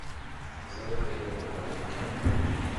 Teẓriḍ-iyi ɣelḍeɣ yakan?